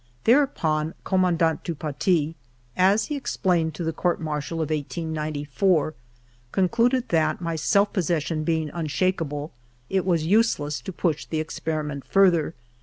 Thereupon Commandant du Paty, as he explained to the Court Martial of 1894, concluded that, my self possession being unshakable, it was useless to push the experiment further.